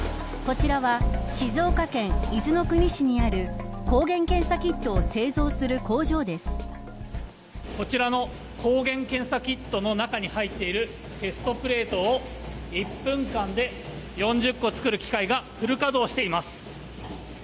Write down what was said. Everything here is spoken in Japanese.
こちらは静岡県伊豆の国市にある抗原検査キットをこちらの抗原検査キットの中に入っているテストプレートを１分間で４０個作る機械がフル稼働しています。